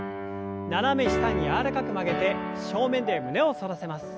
斜め下に柔らかく曲げて正面で胸を反らせます。